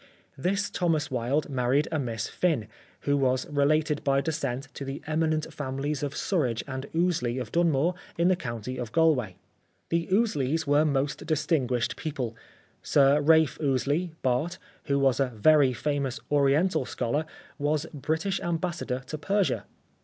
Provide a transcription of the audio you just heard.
This Thomas Wilde married a Miss Fynn, who was related by descent to the eminent families of Surridge and Ouseley of Dunmore in the county of Galway. The Ouseleys were most distinguished people. Sir Ralph Ouseley, Bart., who was a very famous Oriental scholar, was British Ambassador to Persia.